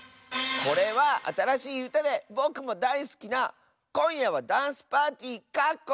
これはあたらしいうたでぼくもだいすきな「こんやはダンスパーティー」！